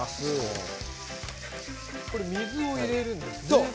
水を入れるんですね。